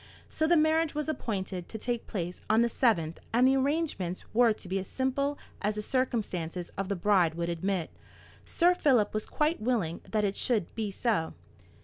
So the marriage was appointed to take place on the 7th, and the arrangements were to be as simple as the circumstances of the bride would admit. Sir Philip was quite willing that it should be so.